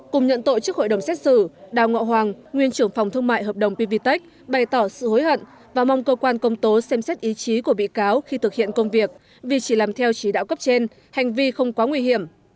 cùng nhận tội trước hội đồng xét xử đào ngọc hoàng nguyên trưởng phòng thương mại hợp đồng pvtec bày tỏ sự hối hận và mong cơ quan công tố xem xét ý chí của bị cáo khi thực hiện công việc vì chỉ làm theo chỉ đạo cấp trên hành vi không quá nguy hiểm